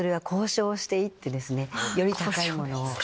より高いものを。